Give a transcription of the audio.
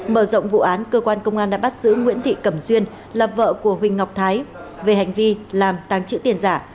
mở rộng vụ án cơ quan công an đã bắt giữ nguyễn thị cẩm xuyên là vợ của huỳnh ngọc thái về hành vi làm tàng trữ tiền giả